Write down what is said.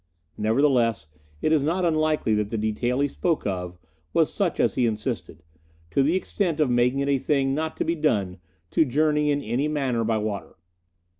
Nevertheless, it is not unlikely that the detail he spoke of was such as he insisted, to the extent of making it a thing not to be done to journey in any manner by water.